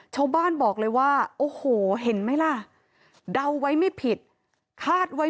ชาวบ้านบอกเลยว่าโอ้โหเห็นไหมล่ะเดาไว้ไม่ผิดคาดไว้